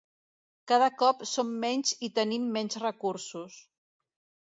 Cada cop som menys i tenim menys recursos.